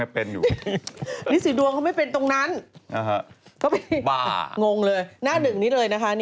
เอาโอยพรคุณโมด็ามหน่อยนะครับ